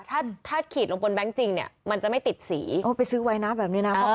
ถ้าถ้าขีดลงบนแบงค์จริงเนี่ยมันจะไม่ติดสีไปซื้อไว้นะแบบนี้นะ